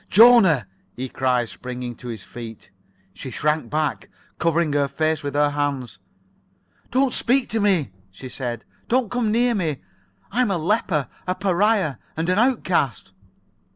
"Jona," he cried, springing to his feet. She shrank back, covering her face with her hands. "Don't speak to me," she said. "Don't come near me. I'm a leper, a pariah, and an outcast."